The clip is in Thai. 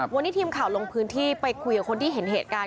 วันนี้ทีมข่าวลงพื้นที่ไปคุยกับคนที่เห็นเหตุการณ์